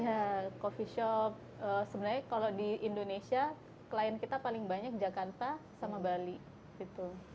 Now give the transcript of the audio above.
iya coffee shop sebenarnya kalau di indonesia klien kita paling banyak jakarta sama bali gitu